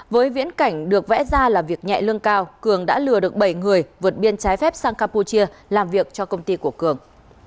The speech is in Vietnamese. với viễn cảnh được vẽ ra là việc nhẹ lương cao cường đã lừa được bảy người vượt biên trái phép sang campuchia làm việc cho công ty của cường